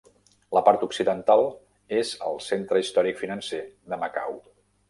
La part occidental és el centre històric financer de Macau.